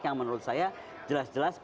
yang menurut saya jelas jelas